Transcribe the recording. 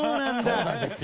そうなんですよ。